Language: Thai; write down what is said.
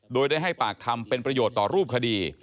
โดยได้ให้ปากคำเป็นประโยชน์ต่อรูปคดี